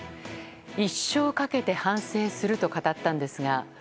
一生かけて反省すると語ったんですが。